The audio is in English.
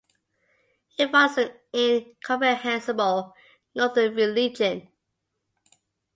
He follows some incomprehensible northern religion.